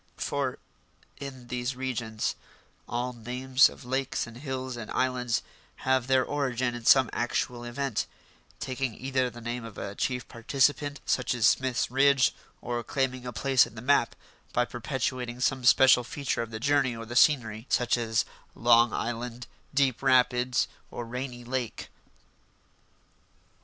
For, in these regions, all names of lakes and hills and islands have their origin in some actual event, taking either the name of a chief participant, such as Smith's Ridge, or claiming a place in the map by perpetuating some special feature of the journey or the scenery, such as Long Island, Deep Rapids, or Rainy Lake.